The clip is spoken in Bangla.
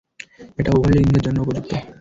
এটা উভয় লিঙ্গের জন্য উপযুক্ত।